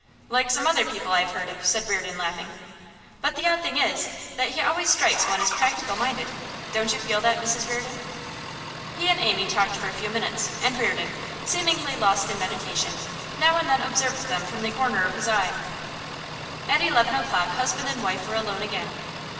'Like some other people I have heard of;' said Reardon, laughing. 'But the odd thing is, that he always strikes one as practical minded. Don't you feel that, Mrs Reardon?' He and Amy talked for a few minutes, and Reardon, seemingly lost in meditation, now and then observed them from the corner of his eye. At eleven o'clock husband and wife were alone again.